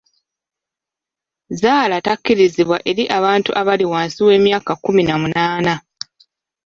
Zzaala takkirizibwa eri abantu abali wansi w'emyaka kkumi na munaana.